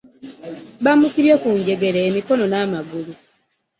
Bamusibye ku njegere emikono n'amagulu .